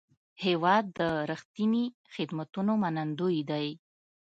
هېواد د رښتیني خدمتونو منندوی دی.